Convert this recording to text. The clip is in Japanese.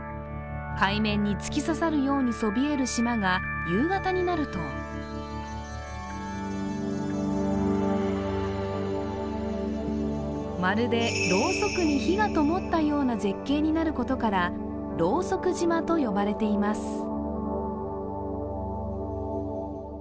海面に突き刺さるようにそびえる島が夕方になるとまるでローソクに火がともったような絶景となることからローソク島と呼ばれています。